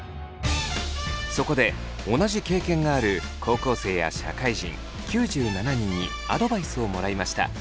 そこで同じ経験がある高校生や社会人９７人にアドバイスをもらいました。